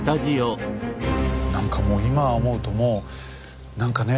何かもう今思うともう何かね